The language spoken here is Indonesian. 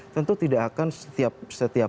tentu tidak akan setiap